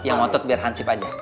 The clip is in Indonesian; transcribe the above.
yang ngotot biar hansip aja